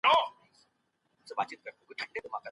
دا علم زموږ سترګې پرانیزي.